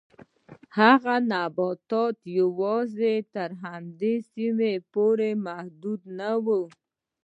هغه نباتات یوازې تر همدې سیمې پورې محدود نه و.